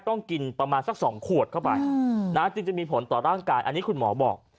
ต้องกินประมาณสัก๒ขวดเข้าไปจึงจะมีผลต่อร่างกายอันนี้คุณหมอบอก